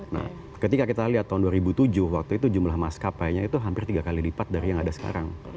nah ketika kita lihat tahun dua ribu tujuh waktu itu jumlah maskapainya itu hampir tiga kali lipat dari yang ada sekarang